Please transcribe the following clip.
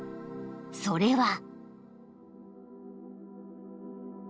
［それは］